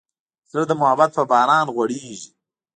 زړه د محبت په باران غوړېږي.